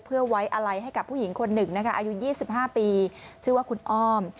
เพื่อไว้อะไรให้กับผู้หญิงคนหนึ่งนะคะอายุ๒๕ปีชื่อว่าคุณอ้อม